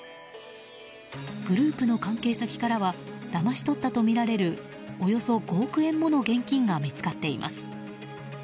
グループの関係先からはだまし取ったとみられるおよそ５億円もの現金が見つかっています。